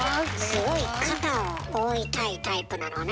すごい肩を覆いたいタイプなのね。